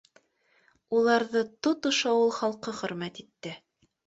Уларҙы тотош ауыл халҡы хөрмәт итте.